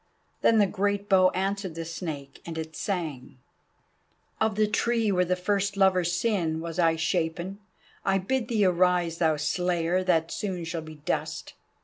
Then the great bow answered the Snake, and it sang: "Of the tree where the first lovers sinned was I shapen; I bid thee arise, Thou Slayer that soon shall be dust."